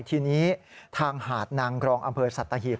ทีนี้ทางหาดนางกรองอำเภอสัตหีบ